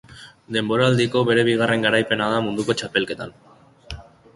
Denboraldiko bere bigarren garaipena da munduko txapelketan.